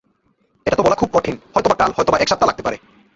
এটা তো বলা খুব কঠিন, হয়তোবা কাল হয়তোবা এক সপ্তাহ লাগতে পারে।